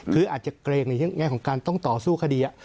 คืออาจจะเกรงในแง่ของการต้องต่อสู้คดี